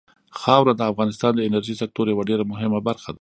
خاوره د افغانستان د انرژۍ سکتور یوه ډېره مهمه برخه ده.